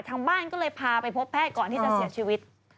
ทางบ้านก็เลยพาไปพบแพทย์ก่อนที่จะเสียชีวิต